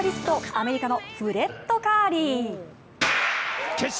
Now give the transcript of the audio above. アメリカのフレッド・カーリー。